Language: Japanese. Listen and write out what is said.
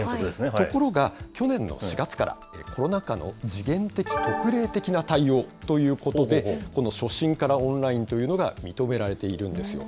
ところが去年の４月から、コロナ禍の時限的・特例的な対応ということで、この初診からオンラインというのが認められているんですよ。